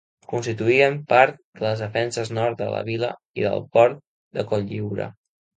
Constituïen part de les defenses nord de la vila i del port de Cotlliure.